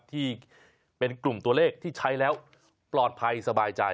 ที่เป็นกลุ่มตัวเลขที่ใช้แล้วปลอดภัยสบายใจ